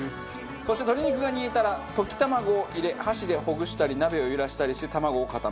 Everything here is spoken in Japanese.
そして鶏肉が煮えたら溶き卵を入れ箸でほぐしたり鍋を揺らしたりして卵を固めます。